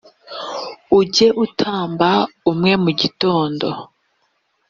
ujye utamba umwe mu gitondo